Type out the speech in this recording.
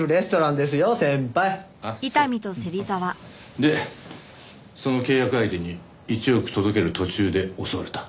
でその契約相手に１億届ける途中で襲われた？